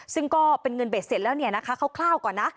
ซึ่งก็เป็นเงินเบ็ดเสร็จแล้วเข้าก่อนนะ